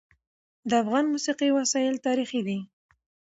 د افغان موسیقي وسایل تاریخي دي.